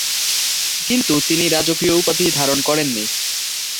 কিন্তু তিনি রাজকীয় উপাধি ধারণ করেননি।